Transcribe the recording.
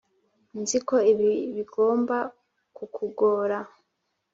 nzi ko ibi bigomba kukugora.